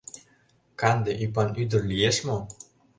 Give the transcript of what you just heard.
Канде ӱпан ӱдыр лиеш мо?